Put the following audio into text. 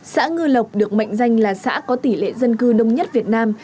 xã ngư lộc được mệnh danh là xã có tỷ lệ dân cư đông nhất việt nam